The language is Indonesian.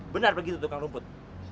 benar begitu tukang rumput